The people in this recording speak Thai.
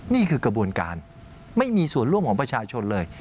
นี่คือกระบวนการไม่มีส่วนร่วมของประชาชนเลย